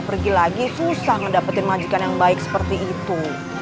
pergi lagi susah ngedapetin majikan yang baik seperti itu